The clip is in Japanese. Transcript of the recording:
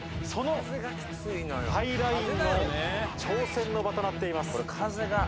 そのハイラインの挑戦の場となっています。